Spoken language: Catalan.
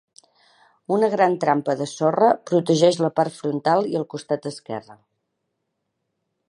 Una gran trampa de sorra protegeix la part frontal i el costat esquerre.